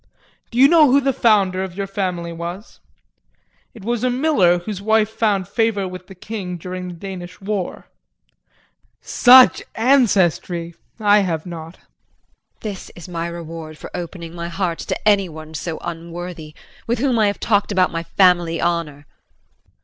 Do you know who the founder of your family was? It was a miller whose wife found favor with the king during the Danish War. Such ancestry I have not. JULIE. This is my reward for opening my heart to anyone so unworthy, with whom I have talked about my family honor.